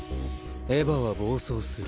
エヴァは暴走する。